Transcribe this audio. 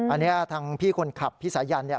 อันนี้ทางพี่คนขับพี่สายันเนี่ย